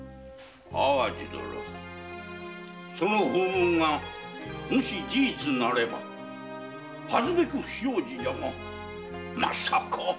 淡路殿その風聞がもし事実なれば恥ずべき不祥事だがまさか。